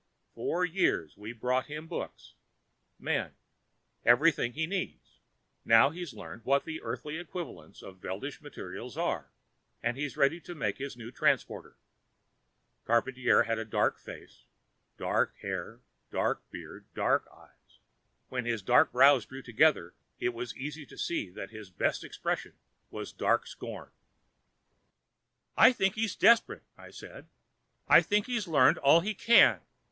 "For years, we've brought him books. Men. Everything he needs. Now he's learned what the Earthly equivalents of Veldish materials are, and he's ready to make his new transporter." Charpantier had a dark face dark hair, dark beard, dark eyes. When his dark brows drew together it was easy to see that his best expression was dark scorn. "I think he's desperate," I said. "I think he's learned all he can.